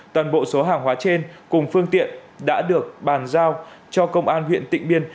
toàn bộ số hàng hóa trên cùng phương tiện đã được bàn giao cho công an huyện tịnh biên